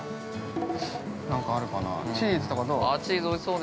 何かあるかな、チーズとかどう？